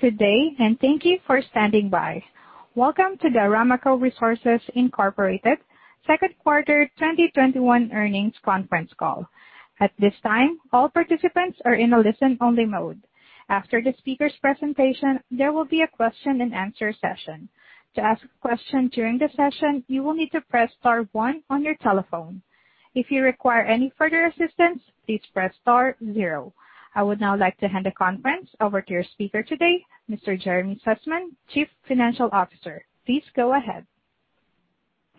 Good day, and thank you for standing by. Welcome to the Ramaco Resources, Incorporated second quarter 2021 earnings conference call. At this time, all participants are in a listen-only mode. After the speaker's presentation, there will be a question-and-answer session. To ask a question during the session, you will need to press star one on your telephone. If you require any further assistance, please press star zero. I would now like to hand the conference over to your speaker today, Mr. Jeremy Sussman, Chief Financial Officer. Please go ahead.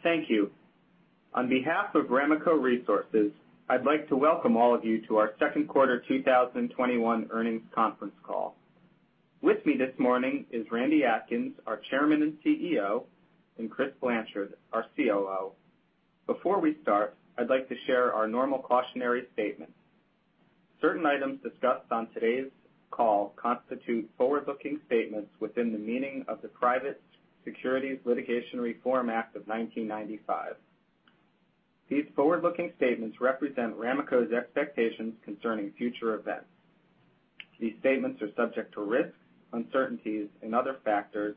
Thank you. On behalf of Ramaco Resources, I'd like to welcome all of you to our second quarter 2021 earnings conference call. With me this morning is Randy Atkins, our Chairman and CEO, and Chris Blanchard, our COO. Before we start, I'd like to share our normal cautionary statement. Certain items discussed on today's call constitute forward-looking statements within the meaning of the Private Securities Litigation Reform Act of 1995. These forward-looking statements represent Ramaco's expectations concerning future events. These statements are subject to risks, uncertainties, and other factors,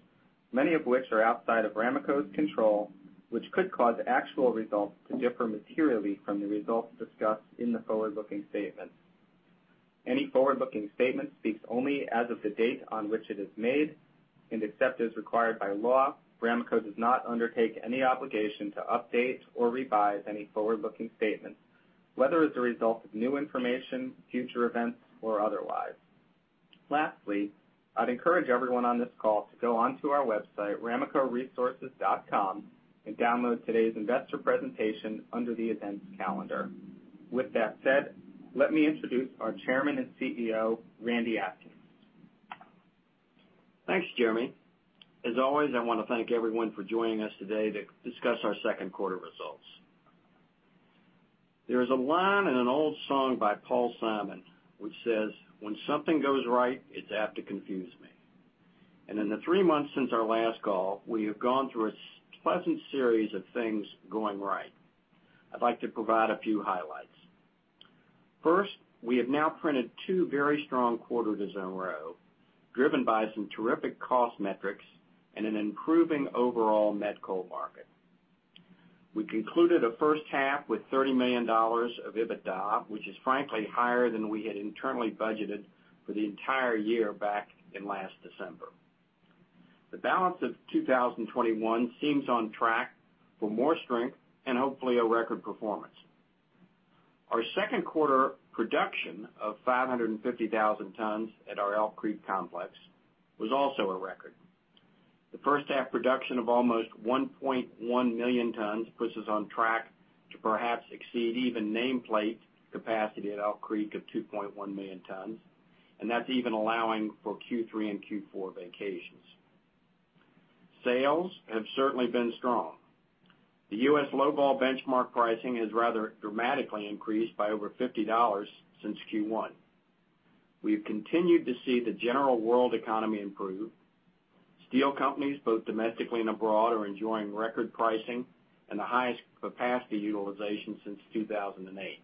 many of which are outside of Ramaco's control, which could cause actual results to differ materially from the results discussed in the forward-looking statement. Any forward-looking statement speaks only as of the date on which it is made, and except as required by law, Ramaco does not undertake any obligation to update or revise any forward-looking statements, whether as a result of new information, future events, or otherwise. Lastly, I'd encourage everyone on this call to go onto our website, ramacoresources.com, and download today's investor presentation under the events calendar. With that said, let me introduce our Chairman and CEO, Randy Atkins. Thanks, Jeremy. As always, I want to thank everyone for joining us today to discuss our second quarter results. There is a line in an old song by Paul Simon which says, when something goes right, it's apt to confuse me. In the three months since our last call, we have gone through a pleasant series of things going right. I'd like to provide a few highlights. First, we have now printed two very strong quarter to zone row, driven by some terrific cost metrics and an improving overall met coal market. We concluded a first half with $30 million of EBITDA, which is frankly higher than we had internally budgeted for the entire year back in last December. The balance of 2021 seems on track for more strength and hopefully a record performance. Our second quarter production of 550,000 tons at our Elk Creek complex was also a record. The first half production of almost 1.1 million tons puts us on track to perhaps exceed even nameplate capacity at Elk Creek of 2.1 million tons. That's even allowing for Q3 and Q4 vacations. Sales have certainly been strong. The U.S. low vol benchmark pricing has rather dramatically increased by over $50 since Q1. We have continued to see the general world economy improve. Steel companies, both domestically and abroad, are enjoying record pricing and the highest capacity utilization since 2008.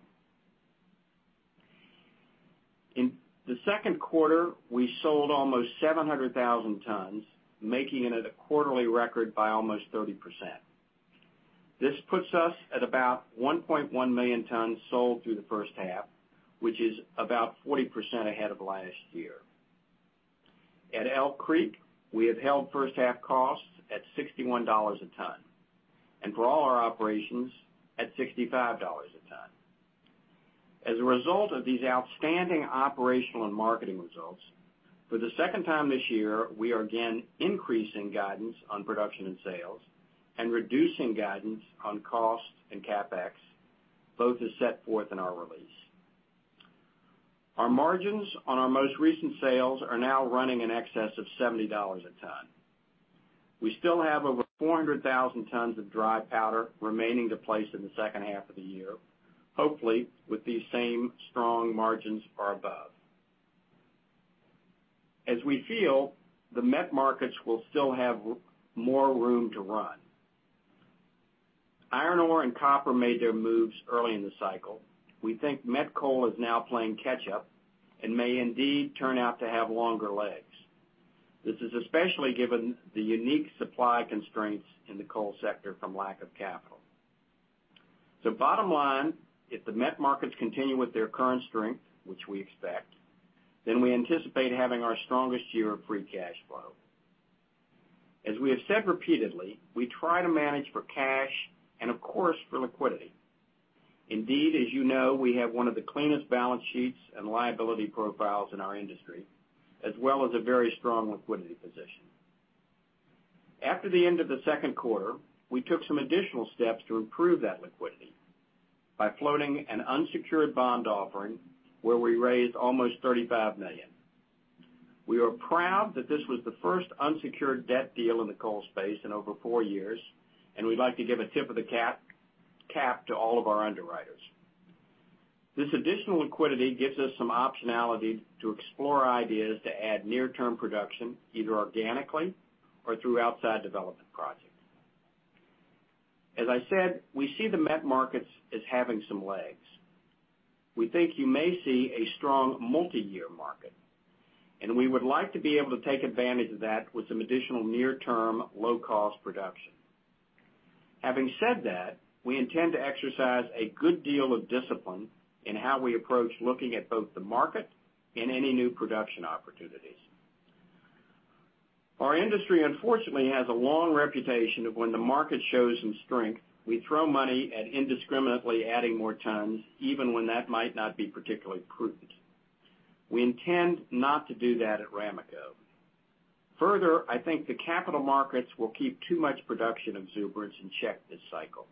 In the second quarter, we sold almost 700,000 tons, making it at a quarterly record by almost 30%. This puts us at about 1.1 million tons sold through the first half, which is about 40% ahead of last year. At Elk Creek, we have held first half costs at $61 a ton, and for all our operations at $65 a ton. A result of these outstanding operational and marketing results, for the second time this year, we are again increasing guidance on production and sales and reducing guidance on cost and CapEx, both as set forth in our release. Our margins on our most recent sales are now running in excess of $70 a ton. We still have over 400,000 tons of dry powder remaining to place in the second half of the year, hopefully with these same strong margins or above. We feel the met markets will still have more room to run. Iron ore and copper made their moves early in the cycle. We think met coal is now playing catch up and may indeed turn out to have longer legs. This is especially given the unique supply constraints in the coal sector from lack of capital. Bottom line, if the met markets continue with their current strength, which we expect, then we anticipate having our strongest year of free cash flow. As we have said repeatedly, we try to manage for cash and of course, for liquidity. Indeed, as you know, we have one of the cleanest balance sheets and liability profiles in our industry, as well as a very strong liquidity position. After the end of the second quarter, we took some additional steps to improve that liquidity by floating an unsecured bond offering where we raised almost $35 million. We are proud that this was the first unsecured debt deal in the coal space in over four years, and we'd like to give a tip of the cap to all of our underwriters. This additional liquidity gives us some optionality to explore ideas to add near-term production, either organically or through outside development projects. As I said, we see the met markets as having some legs. We think you may see a strong multi-year market, and we would like to be able to take advantage of that with some additional near-term low-cost production. Having said that, we intend to exercise a good deal of discipline in how we approach looking at both the market and any new production opportunities. Our industry, unfortunately, has a long reputation of when the market shows some strength, we throw money at indiscriminately adding more tons, even when that might not be particularly prudent. We intend not to do that at Ramaco. Further, I think the capital markets will keep too much production exuberance in check this cycle.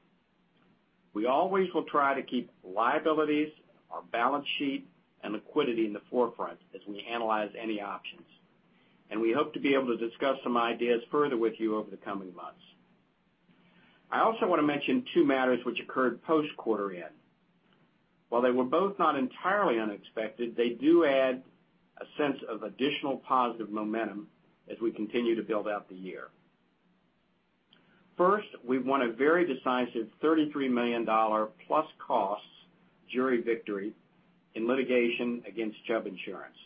We always will try to keep liabilities, our balance sheet, and liquidity in the forefront as we analyze any options, and we hope to be able to discuss some ideas further with you over the coming months. I also want to mention two matters which occurred post quarter-end. While they were both not entirely unexpected, they do add a sense of additional positive momentum as we continue to build out the year. First, we won a very decisive $33 million+ costs jury victory in litigation against Chubb Insurance.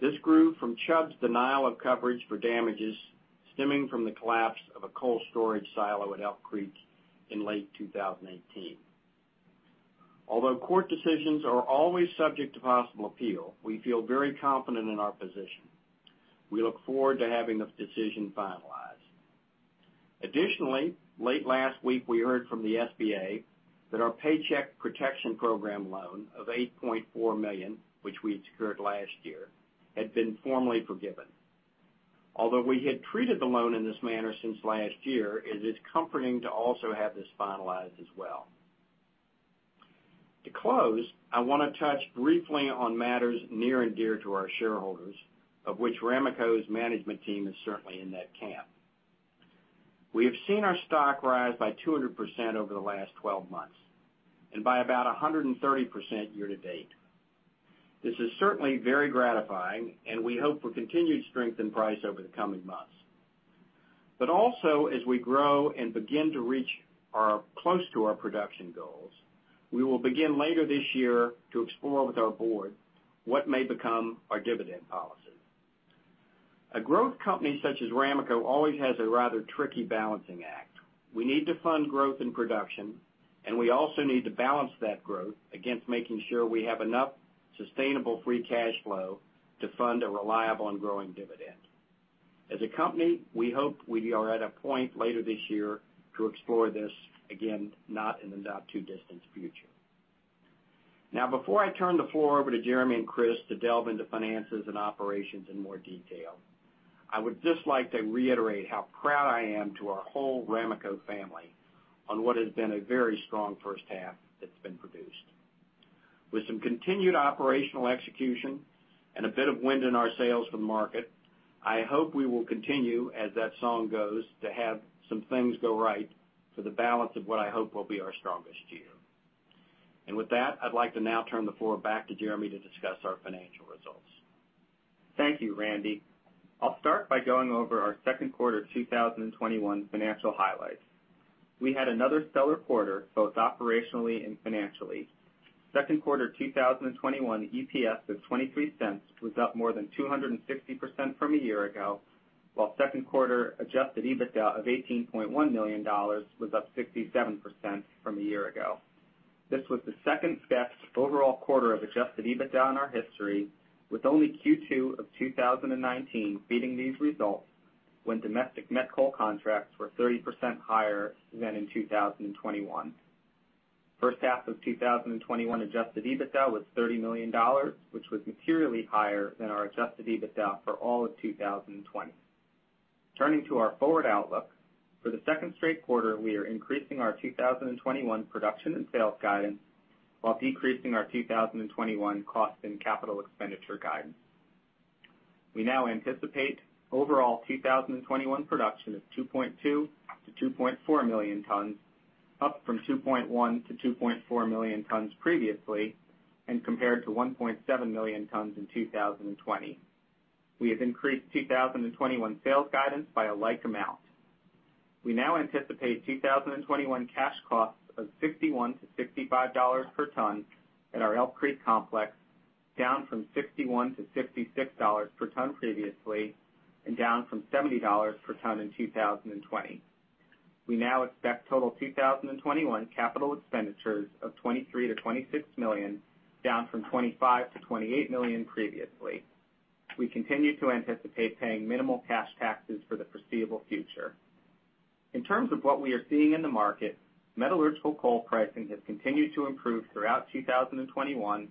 This grew from Chubb's denial of coverage for damages stemming from the collapse of a coal storage silo at Elk Creek in late 2018. Although court decisions are always subject to possible appeal, we feel very confident in our position. We look forward to having this decision finalized. Additionally, late last week, we heard from the SBA that our Paycheck Protection Program loan of $8.4 million, which we had secured last year, had been formally forgiven. We had treated the loan in this manner since last year, it is comforting to also have this finalized as well. To close, I want to touch briefly on matters near and dear to our shareholders, of which Ramaco's management team is certainly in that camp. We have seen our stock rise by 200% over the last 12 months and by about 130% year-to-date. This is certainly very gratifying. We hope for continued strength in price over the coming months. Also, as we grow and begin to reach close to our production goals, we will begin later this year to explore with our board what may become our dividend policy. A growth company such as Ramaco Resources always has a rather tricky balancing act. We need to fund growth in production, and we also need to balance that growth against making sure we have enough sustainable free cash flow to fund a reliable and growing dividend. As a company, we hope we are at a point later this year to explore this again, not in the not too distant future. Before I turn the floor over to Jeremy and Chris to delve into finances and operations in more detail, I would just like to reiterate how proud I am to our whole Ramaco Resources family on what has been a very strong first half that's been produced. With some continued operational execution and a bit of wind in our sails from market, I hope we will continue, as that song goes, to have some things go right for the balance of what I hope will be our strongest year. With that, I'd like to now turn the floor back to Jeremy to discuss our financial results. Thank you, Randy. I'll start by going over our second quarter 2021 financial highlights. We had another stellar quarter, both operationally and financially. Second quarter 2021 EPS of $0.23 was up more than 260% from a year ago, while second quarter adjusted EBITDA of $18.1 million was up 67% from a year ago. This was the second best overall quarter of adjusted EBITDA in our history, with only Q2 of 2019 beating these results when domestic met coal contracts were 30% higher than in 2021. First half of 2021 adjusted EBITDA was $30 million, which was materially higher than our adjusted EBITDA for all of 2020. Turning to our forward outlook, for the second straight quarter, we are increasing our 2021 production and sales guidance while decreasing our 2021 cost and capital expenditure guidance. We now anticipate overall 2021 production of 2.2 million-2.4 million tons, up from 2.1 million-2.4 million tons previously, and compared to 1.7 million tons in 2020. We have increased 2021 sales guidance by a like amount. We now anticipate 2021 cash costs of $61-$65 per ton at our Elk Creek complex, down from $61-$66 per ton previously and down from $70 per ton in 2020. We now expect total 2021 capital expenditures of $23 million-$26 million, down from $25 million-$28 million previously. We continue to anticipate paying minimal cash taxes for the foreseeable future. In terms of what we are seeing in the market, metallurgical coal pricing has continued to improve throughout 2021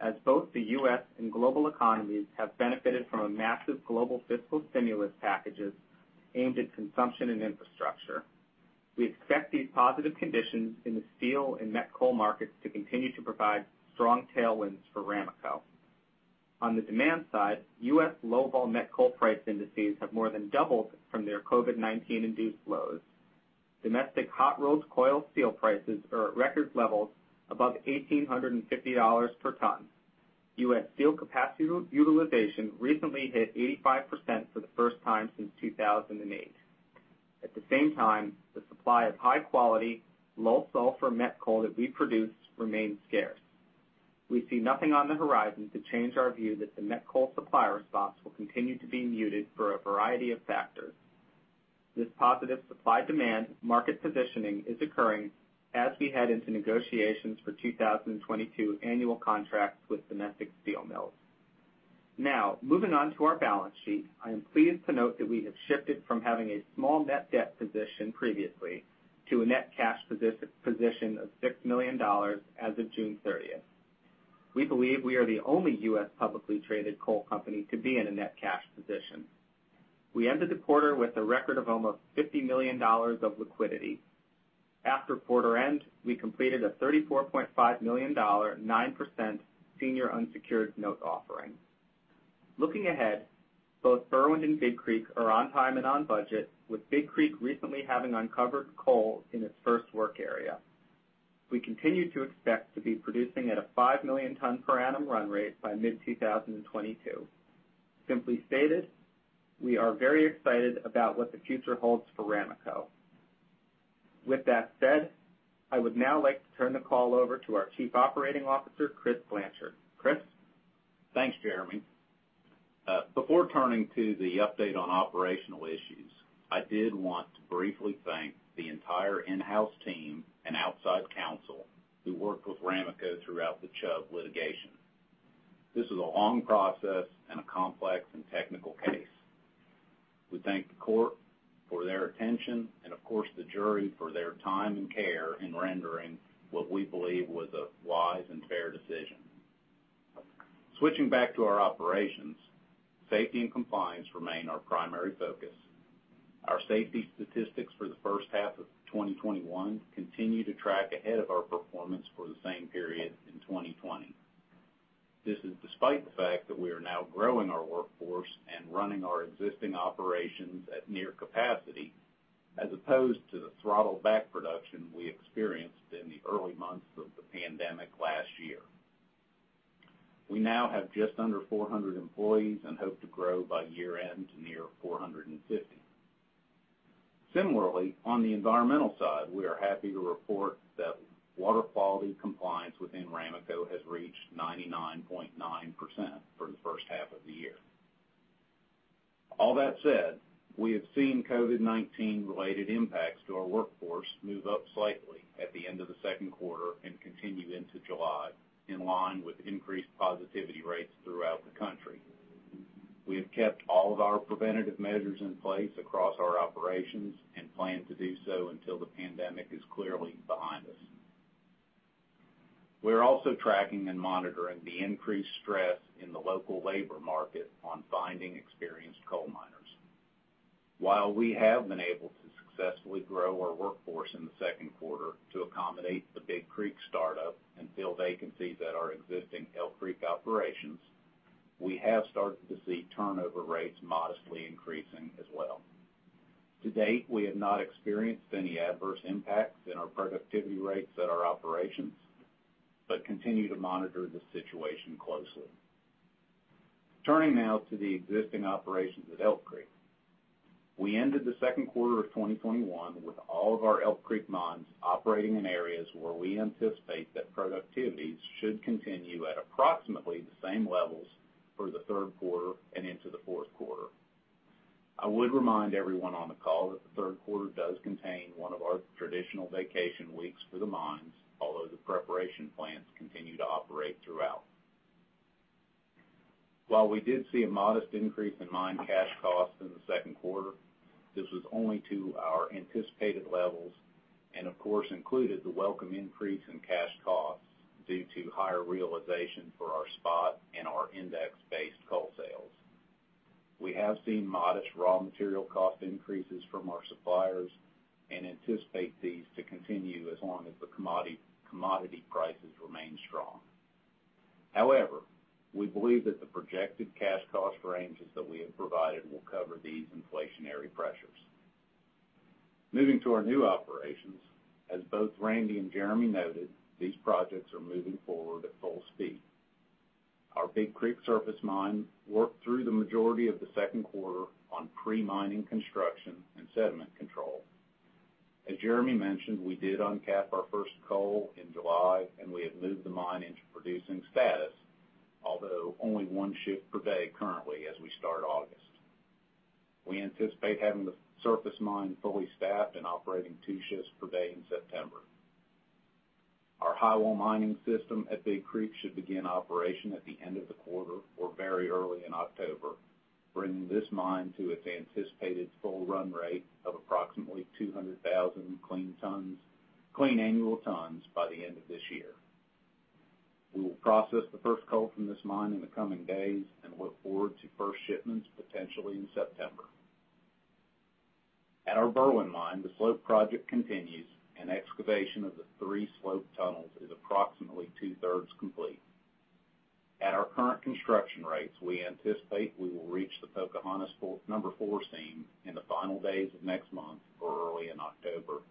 as both the U.S. and global economies have benefited from a massive global fiscal stimulus packages aimed at consumption and infrastructure. We expect these positive conditions in the steel and met coal markets to continue to provide strong tailwinds for Ramaco. On the demand side, U.S. low-vol met coal price indices have more than doubled from their COVID-19 induced lows. Domestic hot-rolled coil steel prices are at record levels above $1,850 per ton. U.S. steel capacity utilization recently hit 85% for the first time since 2008. At the same time, the supply of high-quality, low sulfur met coal that we produce remains scarce. We see nothing on the horizon to change our view that the met coal supply response will continue to be muted for a variety of factors. This positive supply-demand market positioning is occurring as we head into negotiations for 2022 annual contracts with domestic steel mills. Now, moving on to our balance sheet, I am pleased to note that we have shifted from having a small net debt position previously to a net cash position of $6 million as of June 30th. We believe we are the only U.S. publicly traded coal company to be in a net cash position. We ended the quarter with a record of almost $50 million of liquidity. After quarter end, we completed a $34.5 million, 9% senior unsecured note offering. Looking ahead, both Berwind and Big Creek are on time and on budget, with Big Creek recently having uncovered coal in its first work area. We continue to expect to be producing at a 5 million ton per annum run rate by mid-2022. Simply stated, we are very excited about what the future holds for Ramaco. With that said, I would now like to turn the call over to our Chief Operating Officer, Chris Blanchard. Chris? Thanks, Jeremy. Before turning to the update on operational issues, I did want to briefly thank the entire in-house team and outside counsel who worked with Ramaco throughout the Chubb litigation. This was a long process and a complex and technical case. We thank the court for their attention and, of course, the jury for their time and care in rendering what we believe was a wise and fair decision. Switching back to our operations, safety and compliance remain our primary focus. Our safety statistics for the first half of 2021 continue to track ahead of our performance for the same period in 2020. This is despite the fact that we are now growing our workforce and running our existing operations at near capacity, as opposed to the throttled back production we experienced in the early months of the pandemic last year. We now have just under 400 employees and hope to grow by year-end to near 450. Similarly, on the environmental side, we are happy to report that water quality compliance within Ramaco has reached 99.9% for the first half of the year. All that said, we have seen COVID-19 related impacts to our workforce move up slightly at the end of the second quarter and continue into July, in line with increased positivity rates throughout the country. We have kept all of our preventative measures in place across our operations and plan to do so until the pandemic is clearly behind us. We are also tracking and monitoring the increased stress in the local labor market on finding experienced coal miners. While we have been able to successfully grow our workforce in the second quarter to accommodate the Big Creek startup and fill vacancies at our existing Elk Creek operations, we have started to see turnover rates modestly increasing as well. To date, we have not experienced any adverse impacts in our productivity rates at our operations, but continue to monitor the situation closely. Turning now to the existing operations at Elk Creek. We ended the second quarter of 2021 with all of our Elk Creek mines operating in areas where we anticipate that productivities should continue at approximately the same levels for the third quarter and into the fourth quarter. I would remind everyone on the call that the third quarter does contain one of our traditional vacation weeks for the mines, although the preparation plants continue to operate throughout. While we did see a modest increase in mine cash costs in the second quarter, this was only to our anticipated levels, and of course, included the welcome increase in cash costs due to higher realization for our spot and our index-based coal sales. We have seen modest raw material cost increases from our suppliers and anticipate these to continue as long as the commodity prices remain strong. We believe that the projected cash cost ranges that we have provided will cover these inflationary pressures. Moving to our new operations. As both Randy and Jeremy noted, these projects are moving forward at full speed. Our Big Creek surface mine worked through the majority of the second quarter on pre-mining construction and sediment control. As Jeremy mentioned, we did uncap our first coal in July, and we have moved the mine into producing status, although only one shift per day currently as we start August. We anticipate having the surface mine fully staffed and operating two shifts per day in September. Our highwall mining system at Big Creek should begin operation at the end of the quarter or very early in October, bringing this mine to its anticipated full run rate of approximately 200,000 clean annual tons by the end of this year. We will process the first coal from this mine in the coming days and look forward to first shipments potentially in September. At our Berwind mine, the slope project continues, and excavation of the three slope tunnels is approximately two-thirds complete. At our current construction rates, we anticipate we will reach the Pocahontas Number 4 seam in the final days of next month or early in October.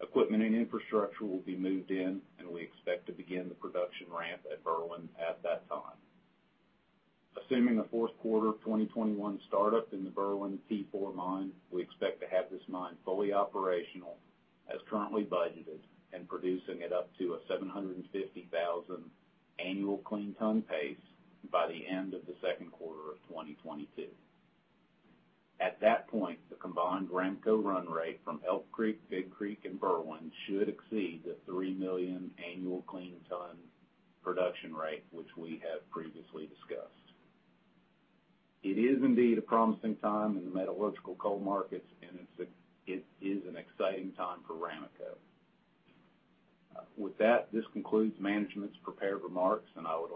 Equipment and infrastructure will be moved in, and we expect to begin the production ramp at Berwind at that time. Assuming a 4th quarter 2021 startup in the Berwind Pocahontas 4 mine, we expect to have this mine fully operational as currently budgeted and producing it up to a 750,000 annual clean ton pace by the end of the 2nd quarter of 2022. At that point, the combined Ramaco run rate from Elk Creek, Big Creek, and Berwind should exceed the 3 million annual clean ton production rate, which we have previously discussed. It is indeed a promising time in the metallurgical coal markets, and it is an exciting time for Ramaco. With that, this concludes management's prepared remarks, and I would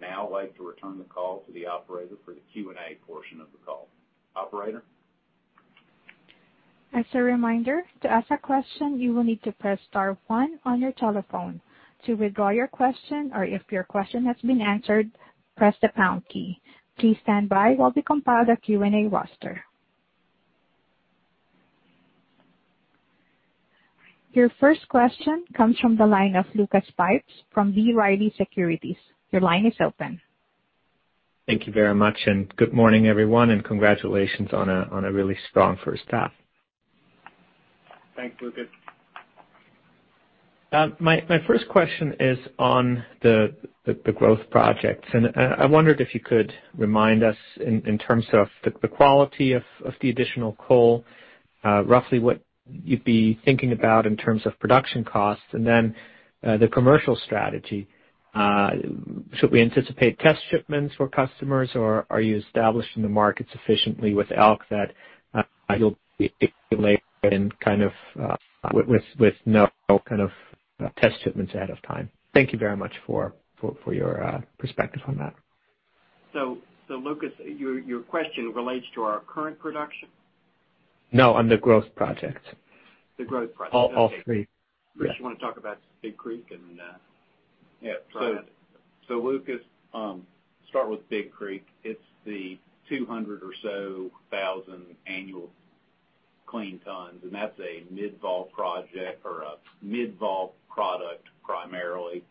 now like to return the call to the operator for the Q&A portion of the call. Operator? As a reminder, to ask a question, you will need to press star one on your telephone. To withdraw your question or if your question has been answered, press the pound key. Please stand by while we compile the Q&A roster. Your first question comes from the line of Lucas Pipes from B. Riley Securities. Your line is open. Thank you very much. Good morning, everyone. Congratulations on a really strong first half. Thanks, Lucas. My first question is on the growth projects. I wondered if you could remind us in terms of the quality of the additional coal, roughly what you'd be thinking about in terms of production costs and then the commercial strategy. Should we anticipate test shipments for customers, or are you established in the market sufficiently with Elk that you'll be later and with no kind of test shipments ahead of time? Thank you very much for your perspective on that. Lucas, your question relates to our current production? No, on the growth project. The growth project. All three. Chris, you want to talk about Big Creek and try that? Yeah. Lucas, start with Big Creek. It's the 200,000 annual clean tons, and that's a midvol project or a midvol product primarily.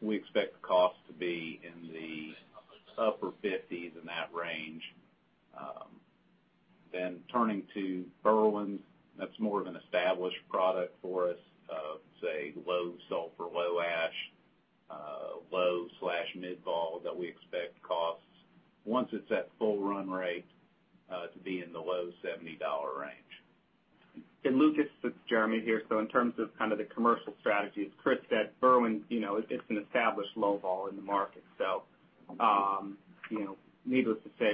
We expect the cost to be in the upper $50s, in that range. Turning to Berwind, that's more of an established product for us of, say, low sulfur, low ash, low/midvol that we expect costs, once it's at full run rate, to be in the low $70 range. Lucas, it's Jeremy here. In terms of the commercial strategies, Chris said Berwind, it's an established low-volatile coal in the market. Needless to say,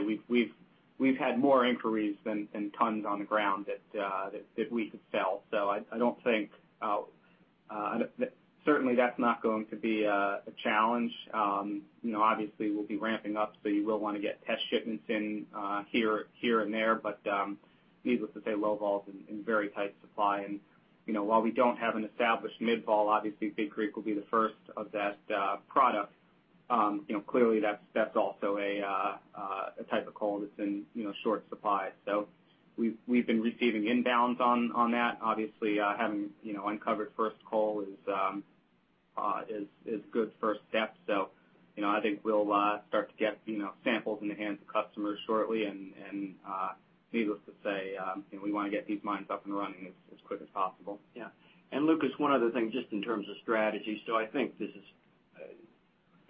we've had more inquiries than tons on the ground that we could sell. Certainly that's not going to be a challenge. Obviously, we'll be ramping up, so you will want to get test shipments in here and there. Needless to say, low-volatile coal is in very tight supply. While we don't have an established mid vol, obviously Big Creek will be the first of that product. Clearly, that's also a type of coal that's in short supply. We've been receiving inbounds on that. Obviously, having uncovered first coal is good first step. I think we'll start to get samples in the hands of customers shortly. Needless to say, we want to get these mines up and running as quick as possible. Yeah. Lucas, one other thing, just in terms of strategy. I think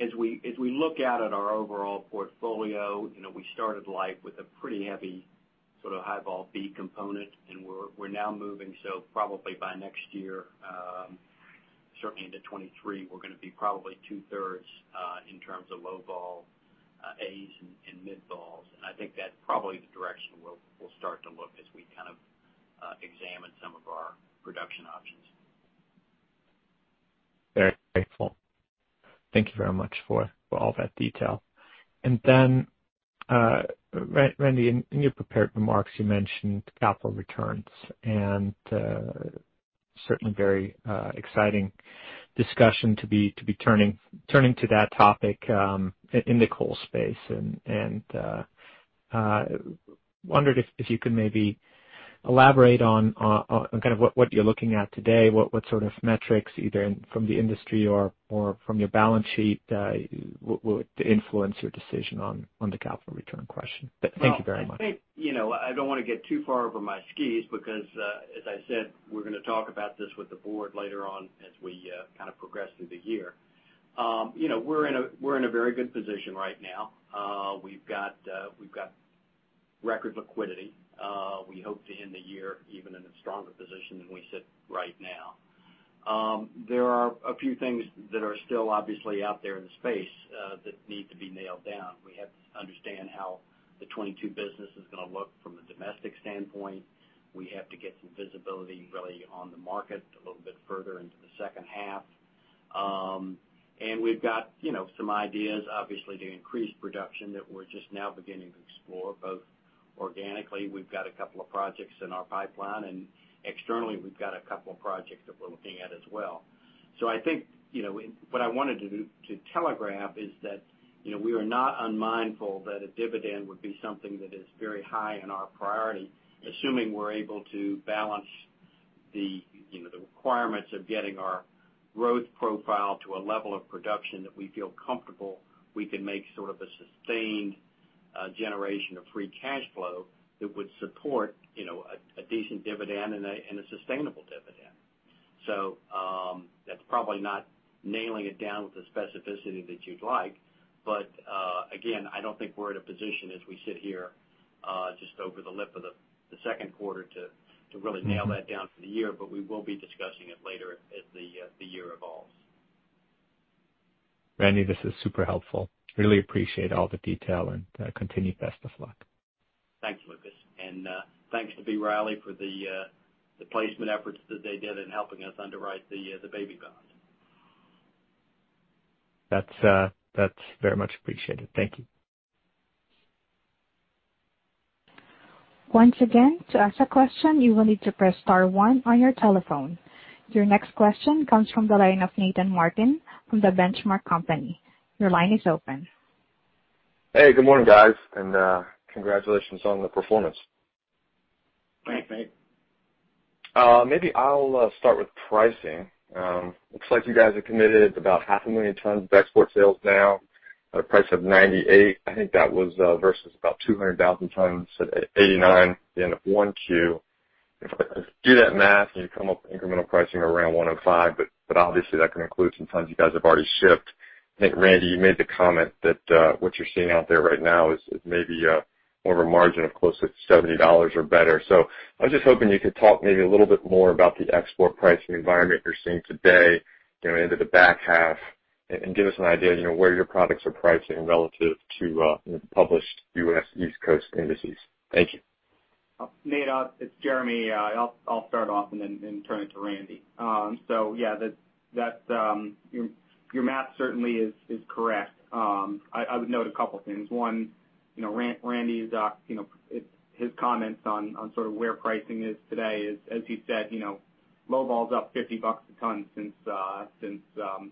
as we look out at our overall portfolio, we started life with a pretty heavy sort of high-volatile B coal component, and we're now moving. Probably by next year, certainly into 2023, we're going to be probably two-thirds in terms of low-volatile A coal and mid vols. I think that's probably the direction we'll start to look as we kind of examine some of our production options. Very grateful. Thank you very much for all that detail. Randy, in your prepared remarks, you mentioned capital returns and certainly a very exciting discussion to be turning to that topic in the coal space. Wondered if you could maybe elaborate on what you are looking at today, what sort of metrics, either from the industry or from your balance sheet, would influence your decision on the capital return question. Thank you very much. Well, I think I don't want to get too far over my skis because, as I said, we're going to talk about this with the board later on as we progress through the year. We're in a very good position right now. We've got record liquidity. We hope to end the year even in a stronger position than we sit right now. There are a few things that are still obviously out there in the space that need to be nailed down. We have to understand how the 2022 business is going to look from a domestic standpoint. We have to get some visibility really on the market a little bit further into the second half. We've got some ideas, obviously, to increase production that we're just now beginning to explore, both organically, we've got a couple of projects in our pipeline, and externally, we've got a couple of projects that we're looking at as well. I think what I wanted to telegraph is that we are not unmindful that a dividend would be something that is very high in our priority, assuming we're able to balance the requirements of getting our growth profile to a level of production that we feel comfortable we can make sort of a sustained generation of free cash flow that would support a decent dividend and a sustainable dividend. That's probably not nailing it down with the specificity that you'd like. Again, I don't think we're in a position as we sit here just over the lip of the second quarter to really nail that down for the year. We will be discussing it later as the year evolves. Randy, this is super helpful. Really appreciate all the detail, and continued best of luck. Thanks, Lucas. Thanks to B. Riley for the placement efforts that they did in helping us underwrite the baby bond. That's very much appreciated. Thank you. Once again to ask a question you will need to press star one on your telephone. Your next question comes from the line of Nathan Martin from The Benchmark Company. Hey, good morning, guys. Congratulations on the performance. Thanks, Nate. Maybe I'll start with pricing. Looks like you guys are committed to about 500,000 tons of export sales now at a price of $98. I think that was versus about 200,000 tons at $89 at the end of 1Q. If I do that math, you come up with incremental pricing around $105, but obviously that can include some tons you guys have already shipped. I think, Randy Atkins, you made the comment that what you're seeing out there right now is maybe more of a margin of closer to $70 or better. I was just hoping you could talk maybe a little bit more about the export pricing environment you're seeing today into the back half and give us an idea where your products are pricing relative to published U.S. East Coast indices. Thank you. Nate, it's Jeremy. I'll start off and then turn it to Randy. Yeah, your math certainly is correct. I would note a couple things. One, Randy's comments on sort of where pricing is today is, as he said, low vol up $50 a ton since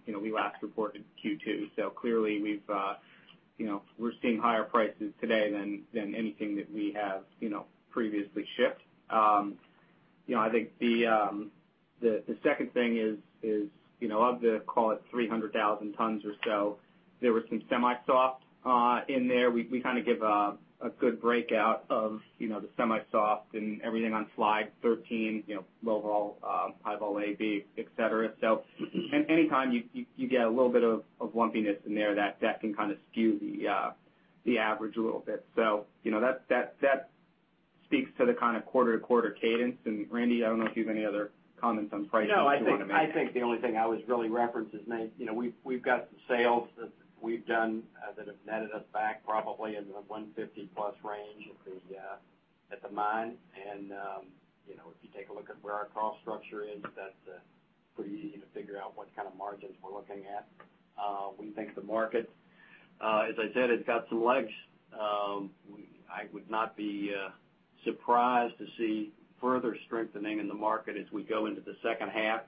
we last reported Q2. Clearly we're seeing higher prices today than anything that we have previously shipped. I think the second thing is of the, call it 300,000 tons or so, there was some semi-soft in there. We kind of give a good breakout of the semi-soft and everything on Slide 13, low vol, high vol A, B, et cetera. Anytime you get a little bit of lumpiness in there, that can kind of skew the average a little bit. That speaks to the kind of quarter-to-quarter cadence. Randy, I don't know if you have any other comments on pricing you want to make. No, I think the only thing I was really referencing is, Nate, we've got some sales that we've done that have netted us back probably in the $150+ range at the mine. If you take a look at where our cost structure is, that's pretty easy to figure out what kind of margins we're looking at. We think the market, as I said, has got some legs. I would not be surprised to see further strengthening in the market as we go into the second half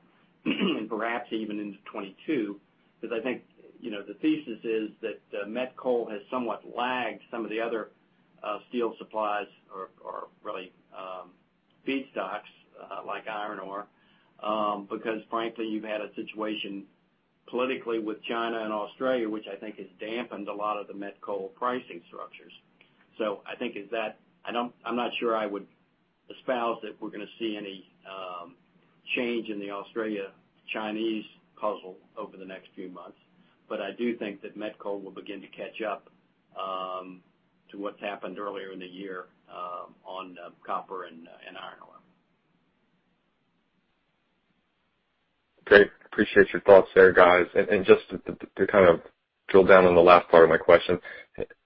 and perhaps even into 2022. I think the thesis is that met coal has somewhat lagged some of the other steel supplies or really feedstocks like iron ore because frankly, you've had a situation politically with China and Australia, which I think has dampened a lot of the met coal pricing structures. I think it's that. I'm not sure I would espouse that we're going to see any change in the Australia-Chinese puzzle over the next few months. I do think that met coal will begin to catch up to what's happened earlier in the year on copper and iron ore. Great. Appreciate your thoughts there, guys. Just to kind of drill down on the last part of my question,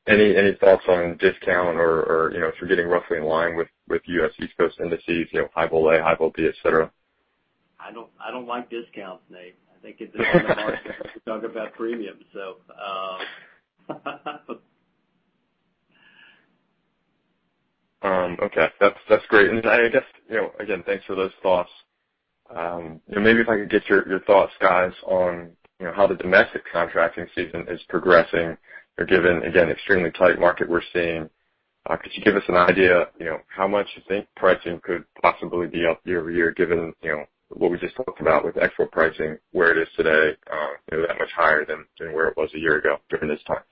any thoughts on discount or if you're getting roughly in line with U.S. East Coast indices, high-volatile A coal, high-volatile B coal, et cetera? I don't like discounts, Nate. I think a sign of the market that we talk about premiums. Okay. That's great. I guess, again, thanks for those thoughts. Maybe if I could get your thoughts, guys, on how the domestic contracting season is progressing given, again, extremely tight market we're seeing. Could you give us an idea how much you think pricing could possibly be up year-over-year given what we just talked about with export pricing, where it is today, that much higher than where it was a year ago during this time?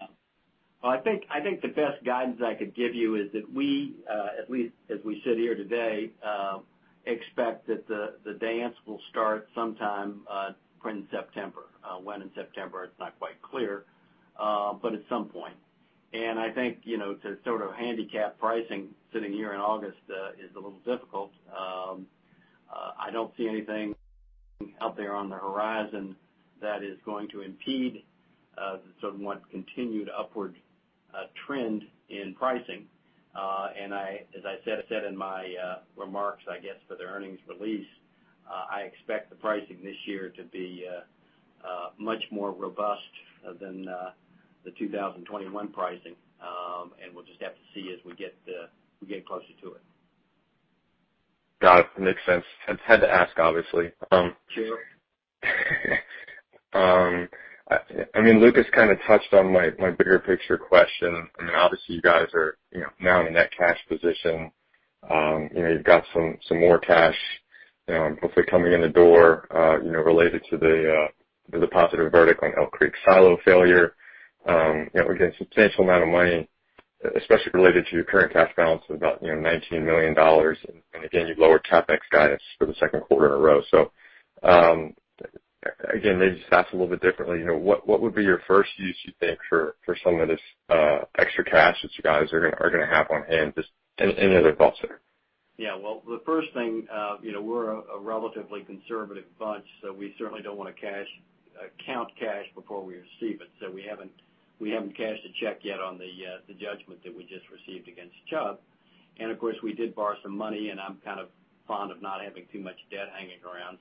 Well, I think the best guidance I could give you is that we, at least as we sit here today, expect that the dance will start sometime in September. When in September, it's not quite clear. At some point. I think to sort of handicap pricing sitting here in August is a little difficult. I don't see anything out there on the horizon that is going to impede the sort of continued upward trend in pricing. As I said in my remarks, I guess, for the earnings release, I expect the pricing this year to be much more robust than the 2021 pricing, and we'll just have to see as we get closer to it. Got it. Makes sense. Had to ask, obviously. Sure. Lucas kind of touched on my bigger picture question. You guys are now in a net cash position. You've got some more cash hopefully coming in the door related to the positive verdict on Elk Creek silo failure. Substantial amount of money, especially related to your current cash balance of about $19 million. You've lowered CapEx guidance for the second quarter in a row. Maybe just to ask a little bit differently, what would be your first use, you think, for some of this extra cash that you guys are going to have on hand? Just any other thoughts there? Well, the first thing, we're a relatively conservative bunch, so we certainly don't want to count cash before we receive it. We haven't cashed the check yet on the judgment that we just received against Chubb. Of course, we did borrow some money, and I'm kind of fond of not having too much debt hanging around.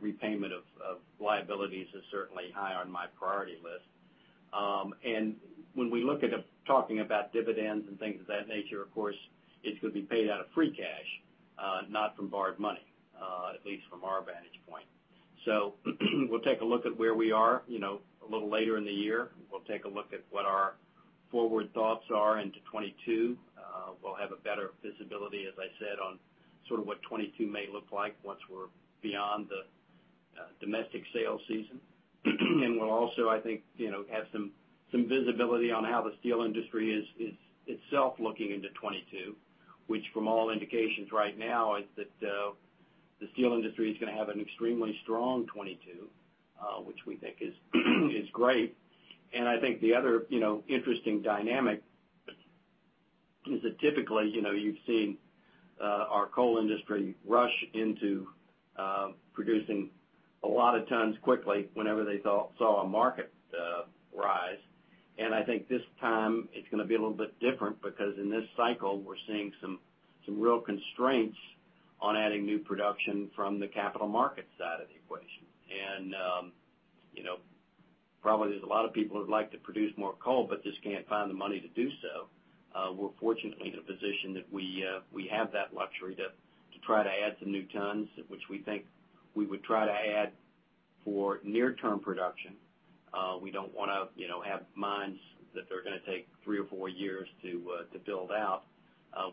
Repayment of liabilities is certainly high on my priority list. When we look at talking about dividends and things of that nature, of course, it's going to be paid out of free cash, not from borrowed money, at least from our vantage point. We'll take a look at where we are a little later in the year. We'll take a look at what our forward thoughts are into 2022. We'll have a better visibility, as I said, on sort of what 2022 may look like once we're beyond the domestic sales season. We'll also, I think, have some visibility on how the steel industry is itself looking into 2022, which from all indications right now is that the steel industry is going to have an extremely strong 2022, which we think is great. I think the other interesting dynamic is that typically you've seen our coal industry rush into producing a lot of tons quickly whenever they saw a market rise. I think this time it's going to be a little bit different because in this cycle, we're seeing some real constraints on adding new production from the capital market side of the equation. Probably there's a lot of people who'd like to produce more coal but just can't find the money to do so. We're fortunately in a position that we have that luxury to try to add some new tons, which we think we would try to add for near-term production. We don't want to have mines that they're going to take three or four years to build out.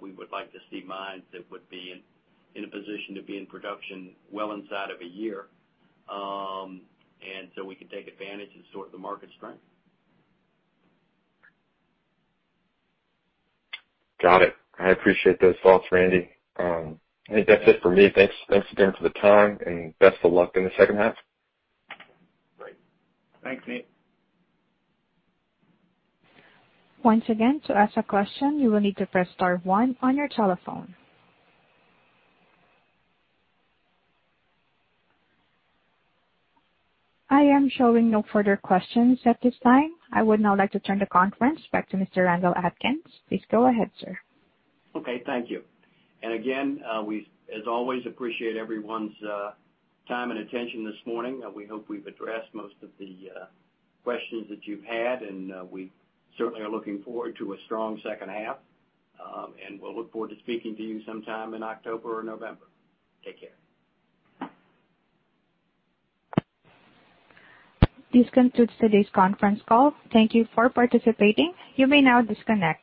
We would like to see mines that would be in a position to be in production well inside of one year. We can take advantage and sort the market strength. Got it. I appreciate those thoughts, Randy. I think that's it for me. Thanks again for the time, and best of luck in the second half. Great. Thanks, Nate. Once again, to ask a question, you will need to press star one on your telephone. I am showing no further questions at this time. I would now like to turn the conference back to Mr. Randy Atkins. Please go ahead, sir. Okay, thank you. Again, we as always appreciate everyone's time and attention this morning. We hope we've addressed most of the questions that you've had, and we certainly are looking forward to a strong second half. We'll look forward to speaking to you sometime in October or November. Take care. This concludes today's conference call. Thank you for participating. You may now disconnect.